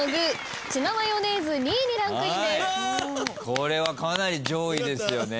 これはかなり上位ですよね。